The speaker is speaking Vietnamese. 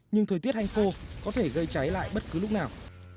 nhưng thời tiết hành khô có thể gây cháy lại bất cứ lúc nào